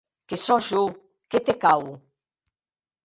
Que sò jo, qué te cau?